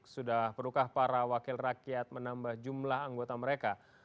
sudah perlukah para wakil rakyat menambah jumlah anggota mereka